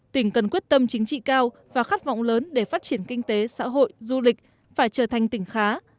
tỉnh cần quyết tâm chính trị cao và khát vọng lớn để phát triển kinh tế xã hội du lịch phải trở thành tỉnh khá